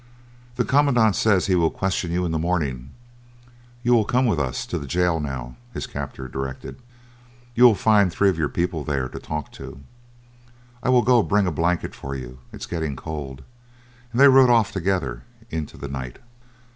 "The commandant says he will question you in the morning. You will come with us to the jail now," his captor directed. "You will find three of your people there to talk to. I will go bring a blanket for you, it is getting cold." And they rode off together into the night.